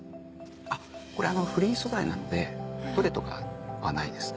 あっこれあのフリー素材なのでどれとかはないですね。